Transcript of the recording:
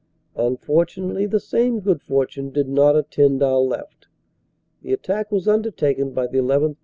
Unfortunately the same good fortune did not attend our left. The attack was undertaken by the 1 1th.